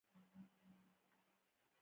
خلک په لارو کې د تکلیف شپېورځې تېروي.